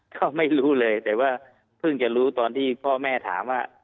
ก็ไม่รู้เลยแต่ว่าเพิ่งจะรู้ตอนที่พ่อแม่ถามว่า